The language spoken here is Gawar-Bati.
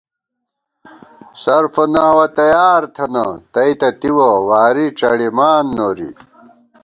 صرف و نحو تیار تھنہ تئ تہ تِوَہ واری ڄَڑِمان نوری